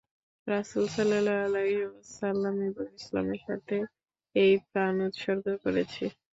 রাসূল সাল্লাল্লাহু আলাইহি ওয়াসাল্লাম এবং ইসলামের স্বার্থে এই প্রাণ উৎসর্গ করেছি।